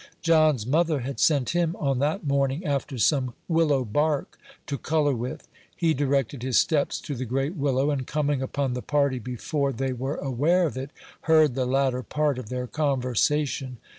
John's mother had sent him on that morning after some willow bark, to color with. He directed his steps to the great willow, and coming upon the party before they were aware of it, heard the latter part of their conversation.